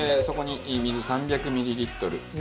そこに水３００ミリリットル。